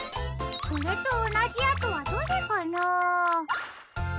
これとおなじあとはどれかな？